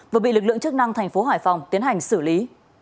vừa bị lực lượng chức năng thành phố hải phòng tiến hành xử lý